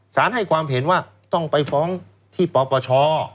ให้ความเห็นว่าต้องไปฟ้องที่ปปช